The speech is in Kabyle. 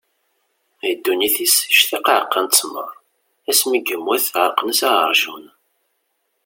Di ddunit-is ictaq aɛeqqa n ttmer; asmi i yemmut ɛellqen-as aɛerjun.